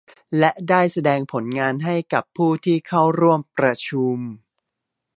และได้แสดงผลงานให้กับผู้ที่เข้าร่วมประชุม